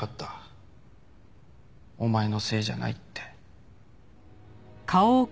お前のせいじゃないって。